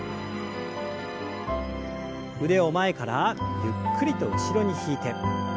腕を前からゆっくりと後ろに引いて。